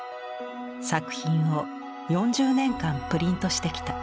作品を４０年間プリントしてきた。